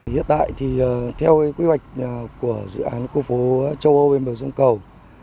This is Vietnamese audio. hiện tại thì theo quy hoạch của dự án khu phố châu âu bên bờ sông cầu